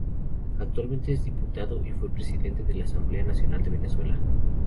Actualmente es diputado y fue presidente de la Asamblea Nacional de Venezuela.